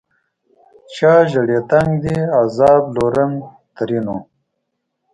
چا ژړېدنک دي عذاب لورن؛ ترينو